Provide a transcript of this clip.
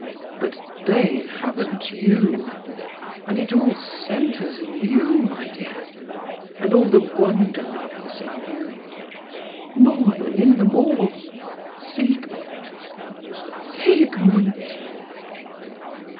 But they haven't you and it all centres in you, my dear, all the wonder love is in you, more than in them all Siegmund—Siegmund!"